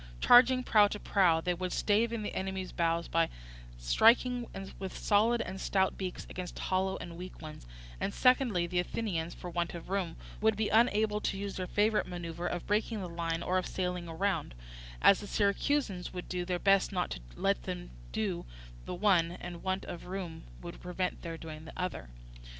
Charging prow to prow, they would stave in the enemy's bows, by striking with solid and stout beaks against hollow and weak ones; and secondly, the Athenians for want of room would be unable to use their favourite manoeuvre of breaking the line or of sailing round, as the Syracusans would do their best not to let them do the one, and want of room would prevent their doing the other.